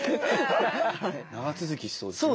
長続きしそうですね